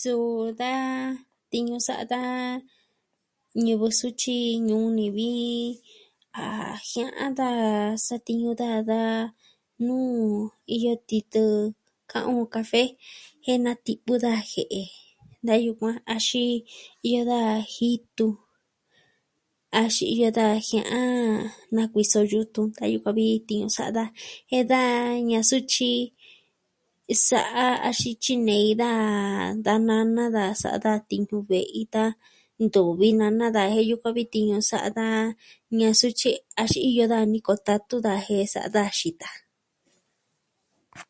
Suu da tiñu sa'a da ñivɨ sutyi ñuu ni vi a jia'an daa satiñu daa da nuu iyo titɨ ka'an o kafe je nati'vɨ da je'e da yukuan axin iyo da jitu, axin iyo da jia'an nakuiso yutun da yukuan vi tiñu sa'a daa. Je da ña'an sutyi, sa'a axin tyinei da nana daa sa'a daa ti ve ita. Ntuvi nana da jen yukuan vi tiñu sa'a daa, ña'a sutyi axin iyo daa niko tatu da jen sa'a da xita.